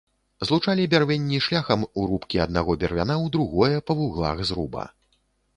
Злучалі бярвенні шляхам урубкі аднаго бервяна ў другое па вуглах зруба.